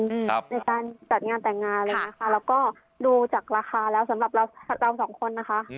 ในการจัดงานแต่งงานแล้วก็ดูจากราคาแล้วสำหรับเราสองคนนะคะ